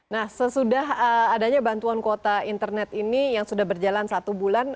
nah sesudah adanya bantuan kuota internet ini yang sudah berjalan satu bulan